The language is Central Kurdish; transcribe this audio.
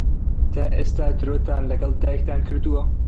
تا ئێستا درۆتان لەگەڵ دایکتان کردووە؟